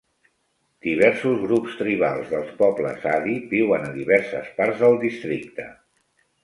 Diversos grups tribals dels pobles Adi viuen a diverses parts del districte.